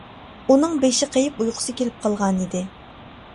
ئۇنىڭ بېشى قېيىپ ئۇيقۇسى كېلىپ قالغانىدى.